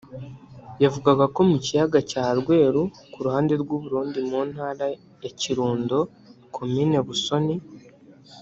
yavugaga ko mu kiyaga cya Rweru ku ruhande rw’u Burundi mu ntara ya Kirundo komini Busoni